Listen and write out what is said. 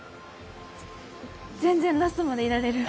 ぜ全然ラストまでいられる。